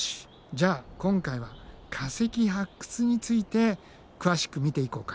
じゃあ今回は化石発掘について詳しく見ていこうか。